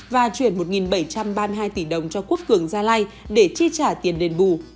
và chuyển một bảy trăm ba mươi hai tỷ đồng cho quốc cường gia lai để chi trả tiền đền bù